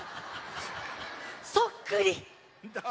そっくり！